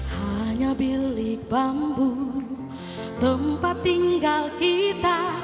hanya bilik bambu tempat tinggal kita